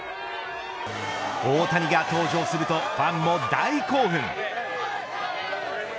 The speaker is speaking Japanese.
大谷が登場するとファンも大興奮。